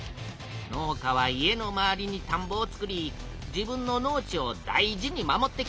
農家は家の周りにたんぼを作り自分の農地を大事に守ってきた。